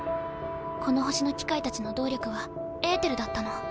この星の機械たちの動力はエーテルだったの。